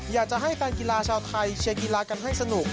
อยากจะให้แฟนกีฬาชาวไทยเชียร์กีฬากันให้สนุก